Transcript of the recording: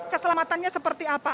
keselamatannya seperti apa